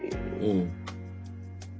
うん。